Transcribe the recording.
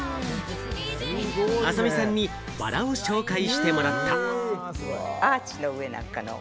浅見さんにバラを紹介してもらった。